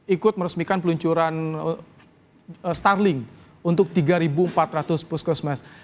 ikut meresmikan peluncuran starlink untuk tiga empat ratus puskus mas